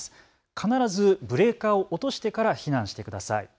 必ずブレーカーを落としてから避難してください。